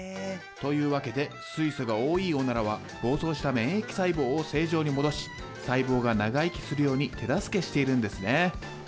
というわけで水素が多いオナラは暴走した免疫細胞を正常に戻し細胞が長生きするように手助けしているんですね。